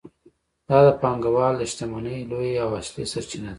دا د پانګوال د شتمنۍ لویه او اصلي سرچینه ده